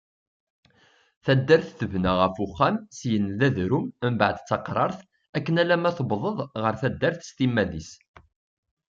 Taddart, tebna ɣef uxxam, syin n d adrum mbeɛd d taqrart, akken alamma tewwḍeḍ ɣer taddart s timmad-is.